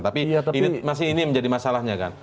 tapi masih ini yang menjadi masalahnya kan